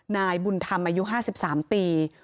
นายบุญธรรมอายุ๕๓ปี